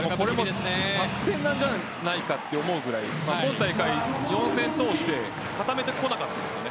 これも作戦なんじゃないかって思うくらい今大会、４戦通して固めてこなかったんです。